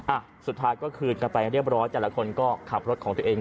อ่ะสุดท้ายก็คืนกันไปเรียบร้อยแต่ละคนก็ขับรถของตัวเอง